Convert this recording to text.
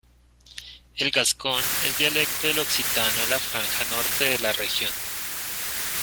El gascón es dialecto del occitano de la franja norte de la región.